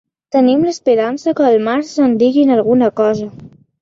Tenim l’esperança que al març ens diguin alguna cosa.